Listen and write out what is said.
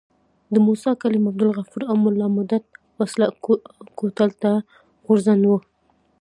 د موسی کلیم، عبدالغفور او ملا مدت وسله کوتل ته ځوړند وو.